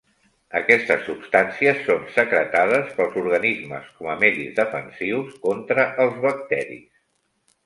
Aquestes substàncies són secretades pels organismes com a medis defensius contra els bacteris.